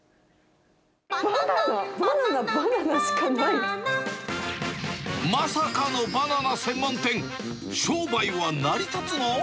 バナナ、バナナ、バナナしかまさかのバナナ専門店、商売は成り立つの？